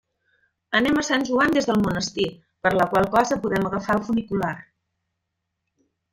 Anem a Sant Joan des del Monestir, per la qual cosa podem agafar el funicular.